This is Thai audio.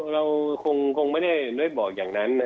เราคงไม่ได้บอกอย่างนั้น